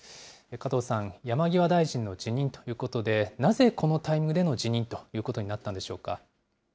加藤さん、山際大臣の辞任ということで、なぜこのタイミングでの辞任ということになったんでしょうか。